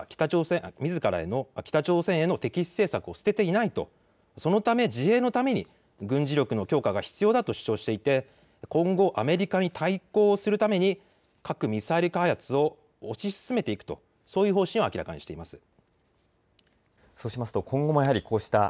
北朝鮮はアメリカがみずからへの敵視政策を捨てていないと、そのため自衛のために軍事力の強化が必要だと主張していて今後、アメリカに対抗するために核・ミサイル開発を推し進めていくという、そういう方針を明らかにしています。